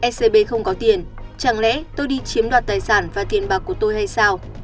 scb không có tiền chẳng lẽ tôi đi chiếm đoạt tài sản và tiền bạc của tôi hay sao